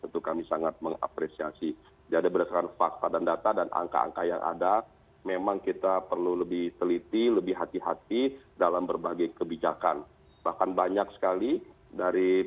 terima kasih pak gubernur